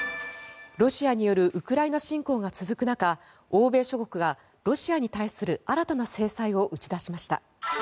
ロシアによるウクライナ侵攻が続く中欧米諸国がロシアに対する新たな制裁を打ち出しました。